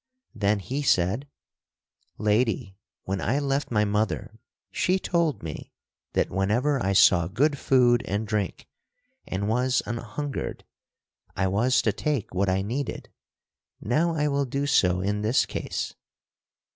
Then he said: "Lady, when I left my mother she told me that whenever I saw good food and drink and was an hungered, I was to take what I needed. Now I will do so in this case."